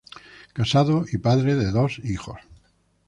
Casado y padre de dos hijos.